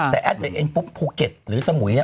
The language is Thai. แต่แอดไอ้เองก็ปุ๊บภูเกตปุ๊บหรือสมุย